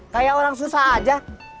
kayak orang susah aja